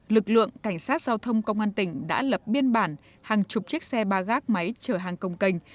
lực lượng cảnh sát giao thông công an tỉnh đã lập biên bản hàng chục chiếc xe ba gác máy chở hàng công cành